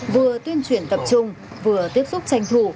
vừa tuyên truyền tập trung vừa tiếp xúc tranh thủ